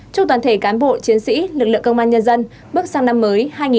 chúc toàn thể cán bộ chiến sĩ lực lượng công an nhân dân bước sang năm mới hai nghìn hai mươi